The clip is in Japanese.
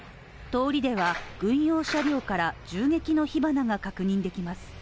通りでは軍用車両から銃撃の火花が確認できます。